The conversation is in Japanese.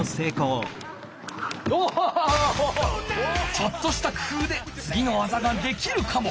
ちょっとしたくふうでつぎの技ができるかも。